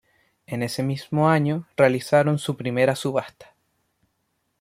En ese mismo año realizaron su primera subasta.